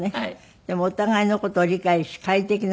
でもお互いの事を理解し快適な生活を。